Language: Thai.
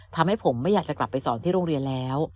ทำให้ผมไม่อยากจะกลับไปสอนที่โรงเรียนแล้ว